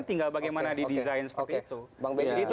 tinggal bagaimana didesain seperti itu